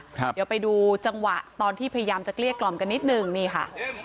เดี๋ยวไปดูจังหวะตอนที่พยายามจะเกลี้ยกล่อมกันนิดหนึ่งนี่ค่ะ